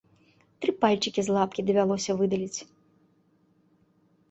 Тры пальчыкі з лапкі давялося выдаліць.